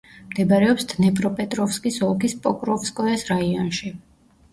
მდებარეობს დნეპროპეტროვსკის ოლქის პოკროვსკოეს რაიონში.